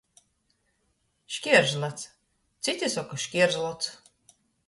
Škieržlats, cyti soka škierzlots.